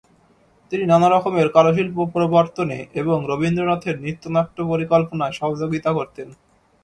তিনি নানারকমের কারুশিল্প প্রবর্তনে এবং রবীন্দ্রনাথের নৃত্যনাট্য পরিকল্পনায় সহযোগিতা করতেন।